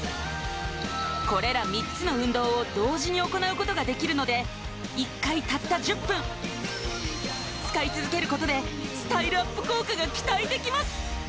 これら３つの運動を同時に行うことができるので１回たった１０分使い続けることでできます